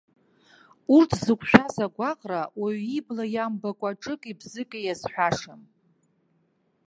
Урҭ зықәшәаз агәаҟра уаҩ ибла иамбакәа ҿыки-бзыки иазҳәашам.